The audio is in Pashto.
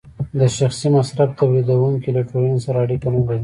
د شخصي مصرف تولیدونکی له ټولنې سره اړیکه نلري